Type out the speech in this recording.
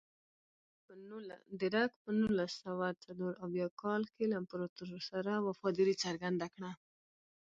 درګ په نولس سوه څلور اویا کال کې له امپراتور سره وفاداري څرګنده کړه.